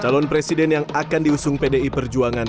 calon presiden yang akan diusung pdi perjuangan